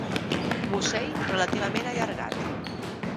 Musell relativament allargat.